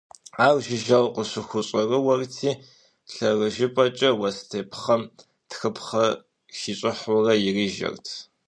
Ар жыжьэу къыщыхущӀэрыуэрти лъэрыжэпэкӀэ уэс тепхъэм тхыпхъэ хищӀыхьурэ ирижэрт.